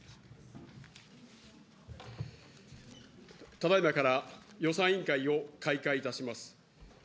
ただいまから予算委員会を開会いたします。